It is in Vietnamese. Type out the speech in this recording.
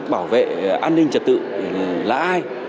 bảo vệ an ninh trật tự là ai